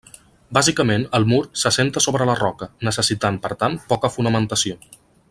Bàsicament el mur s'assenta sobre la roca, necessitant, per tant, poca fonamentació.